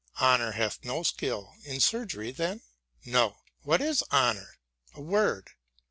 — Honour hath no skill in surgery then ? No. What is Honour f A word.